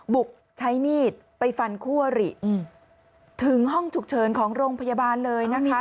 บุกใช้มีดไปฟันคู่อริถึงห้องฉุกเฉินของโรงพยาบาลเลยนะคะ